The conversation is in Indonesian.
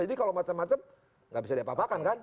jadi kalau macam macam gak bisa diapa apakan kan